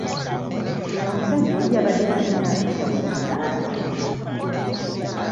Omusajja oli yabadde talina mpisa wadde n'akatono.